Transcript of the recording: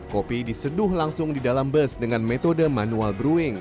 kopi diseduh langsung di dalam bus dengan metode manual browing